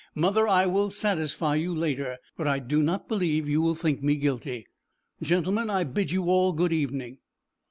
Mother, I will satisfy you later, but I do not believe you will think me guilty. Gentlemen, I bid you all good evening."